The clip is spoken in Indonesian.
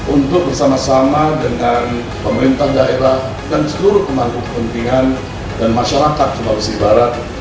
untuk bersama sama dengan pemerintah daerah dan seluruh pemangku kepentingan dan masyarakat sulawesi barat